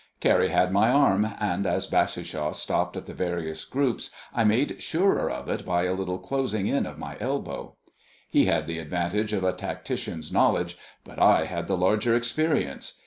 Carrie had my arm, and as Bassishaw stopped at the various groups I made surer of it by a little closing in of my elbow. He had the advantage of a tactician's knowledge, but I had the larger experience.